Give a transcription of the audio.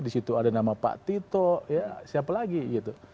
disitu ada nama pak tito siapa lagi gitu